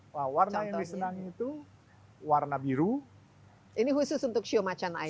wah warna yang disenangi itu warna biru ini khusus untuk sio macan air ya